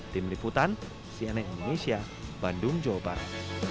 tim liputan cnn indonesia bandung jawa barat